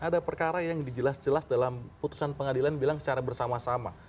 ada perkara yang dijelas jelas dalam putusan pengadilan bilang secara bersama sama